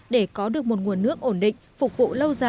để có được một nguồn nước ổn định phục vụ lâu dài cho nhân dân